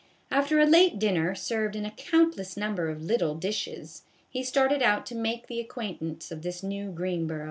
After a late dinner served in a countless number of little dishes, he started out to make the acquaintance of this new Greenboro.